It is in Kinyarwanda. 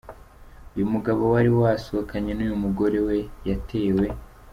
Uyu mugabo wari wasohokanye nuyu mugore we yatewe.